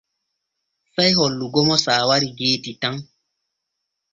Sey hollugo mo saawari geeti tan.